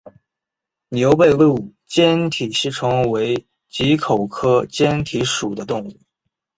牛背鹭坚体吸虫为棘口科坚体属的动物。